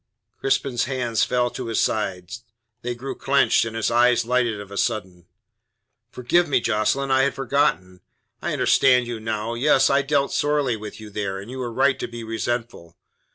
Crispin's hands fell to his sides; they grew clenched, and his eyes lighted of a sudden. "Forgive me, Jocelyn. I had forgotten! I understand you now. Yes, I dealt sorely with you there, and you are right to be resentful.